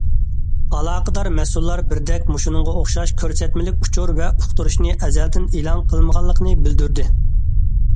ئالاقىدار مەسئۇللار بىردەك مۇشۇنىڭغا ئوخشاش كۆرسەتمىلىك ئۇچۇر ۋە ئۇقتۇرۇشنى ئەزەلدىن ئېلان قىلمىغانلىقىنى بىلدۈردى.